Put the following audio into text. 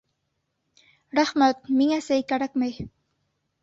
Рәхмәт, миңә сәй кәрәкмәй